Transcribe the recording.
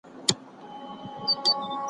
هغه چا چي د اثر په اړه څه ویلي دي هغوی مه اورئ.